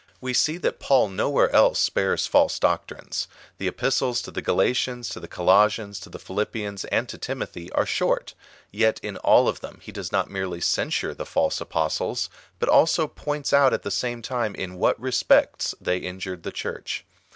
We see that Paul nowhere else spares false doctrines. The Epistles to the Gralatians, to the Colossians, to the Philip pians, and to Timothy, are short ; yet in all of them he does not merely censure the false apostles, but also points out at the same time in what respects they injured the Church.